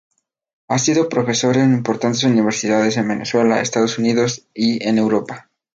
Ha sido profesor en importantes universidades en Venezuela, Estados Unidos y en Europa.